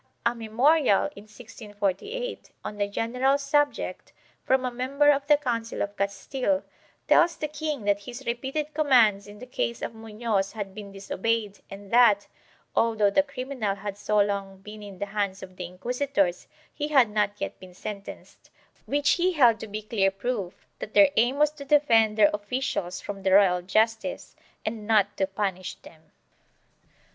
A memorial, in 1648, on the general subject, from a member of the Council of Castile, tells the king that his repeated commands in the case of Munoz had been disobeyed and that, although the criminal had so long been in the hands of the inquisitors, he had not yet been sentenced, which he held to be clear proof that their aim was to defend their officials from the royal justice and not to punish them.